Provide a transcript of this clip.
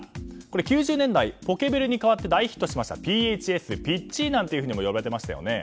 ９０年代、ポケベルに代わって大ヒットしましたＰＨＳピッチなんても呼ばれていましたよね。